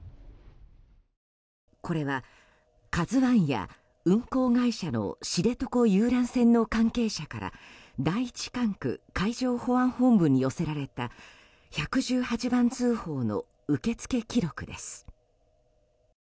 これは「ＫＡＺＵ１」や運航会社の知床遊覧船の関係者から第１管区海上保安本部に寄せられた１１８番通報の受付記録です。